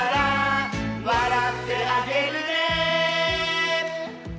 「わらってあげるね」